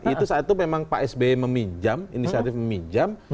itu saat itu memang pak sby meminjam inisiatif meminjam